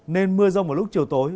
nên mưa rông vào lúc chiều tối